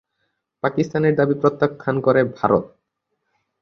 পাকিস্তানের দাবী প্রত্যাখ্যান করে ভারত।